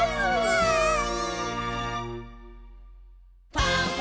わい！